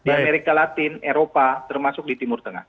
di amerika latin eropa termasuk di timur tengah